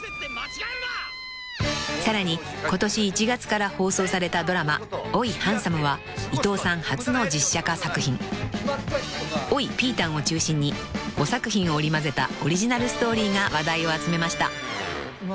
［さらに今年１月から放送されたドラマ『おいハンサム！！』は伊藤さん初の実写化作品］［『おいピータン！！』を中心に５作品を織り交ぜたオリジナルストーリーが話題を集めました］